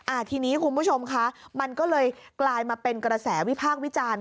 ทีนี้คุณผู้ชมคะมันก็เลยกลายมาเป็นกระแสวิพากษ์วิจารณ์